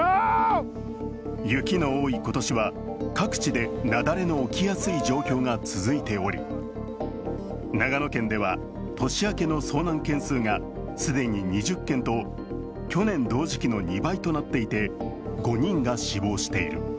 雪の多い今年は各地で雪崩の起きやすい状況が続いており、長野県では、年明けの遭難件数が既に２０件と去年同時期の２倍となっていて５人が死亡している。